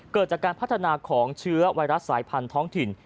เกิดจากการพัฒนาของเชื้อไวรัสสายพันธุ์ท้องถิ่น